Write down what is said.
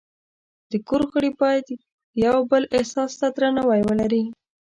د کور غړي باید د یو بل احساس ته درناوی ولري.